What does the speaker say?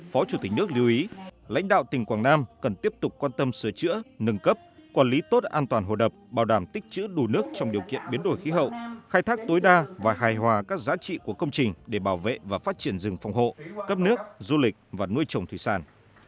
phó chủ tịch nước lưu ý lãnh đạo tỉnh quảng nam cần tiếp tục quan tâm sửa chữa nâng cấp quản lý tốt an toàn hồ đập bảo đảm tích chữ đủ nước trong điều kiện biến đổi khí hậu khai thác tối đa và hài hòa các giá trị của công trình để bảo vệ và phát triển rừng phòng hộ cấp nước du lịch và nuôi trồng thủy sản